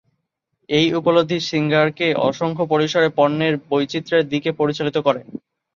এই উপলব্ধি সিঙ্গার কে অসংখ্য পরিসরে পণ্যের বৈচিত্র্যের দিকে পরিচালিত করে।